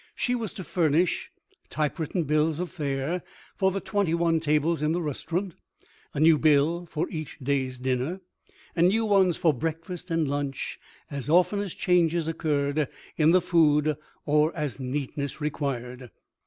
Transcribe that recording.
She was to furnish typewritten bills of fare for the twenty one tables in the restaurant—a new bill for each day's dinner, and new ones for breakfast and lunch as often as changes occurred in the food or as neatness required.